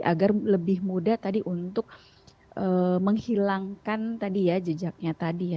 agar lebih mudah tadi untuk menghilangkan tadi ya jejaknya tadi ya